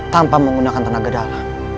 tanpa menggunakan tenaga dalam